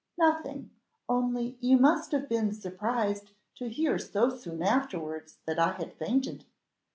"Nothing, only you must have been surprised to hear so soon afterwards that I had fainted."